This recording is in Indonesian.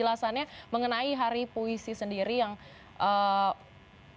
merayakan menetapkan deklarasi hari puisi itu jadi keinginannya itu bukan mengklaim sepihak